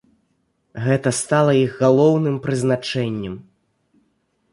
Гэта стала іх галоўным прызначэннем.